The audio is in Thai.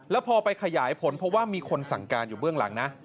แล้วพอไปขยายผลเพราะว่ามีคนสั่งการอยู่เบื้องหลังนะ